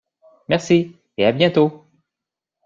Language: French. Merci! Et à bientôt!